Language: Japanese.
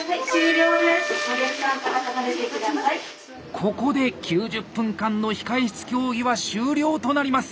ここで９０分間の「控え室競技」は終了となります。